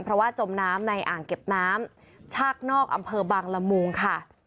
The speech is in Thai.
เพราะว่าจมน้ำในอ่างเก็บน้ำชากนอกอำเภอบางละมุงค่ะ